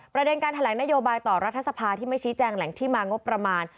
ประเด็นการแถลงนโยบายต่อรัฐสภาที่ไม่ชี้แจงแหล่งที่มางบประมาณ